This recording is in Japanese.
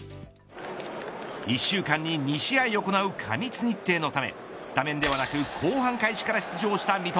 １週間に２試合を行う過密日程のためスタメンではなく後半開始から出場した三笘。